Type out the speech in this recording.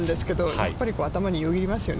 やっぱり頭によぎりますよね。